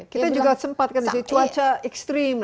kita juga sempat karena cuaca ekstrim